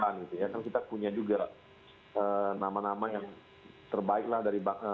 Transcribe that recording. kan kita punya juga nama nama yang terbaik lah dari